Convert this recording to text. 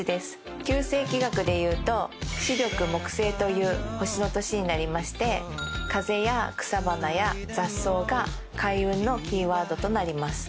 九星気学でいうと四緑木星という星の年になりまして風や草花や雑草が開運のキーワードとなります。